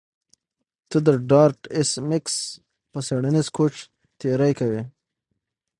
ته د ډارت ایس میکس په څیړنیز کوچ تیری کوې